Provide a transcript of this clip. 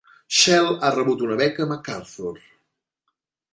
Shell ha rebut una beca MacArthur.